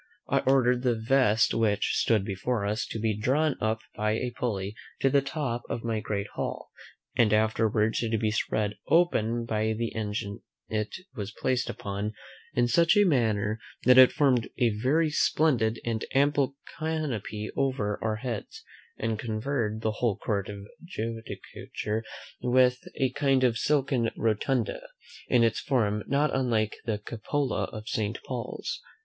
I then ordered the vest which stood before us to be drawn up by a pulley to the top of my great hall, and afterwards to be spread open by the engine it was placed upon, in such a manner, that it formed a very splendid and ample canopy over our heads, and covered the whole court of judicature with a kind of silken rotunda, in its form not unlike the cupola of St. Paul's.